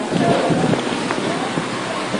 kujenga mazingira ya upatikanaji wa amani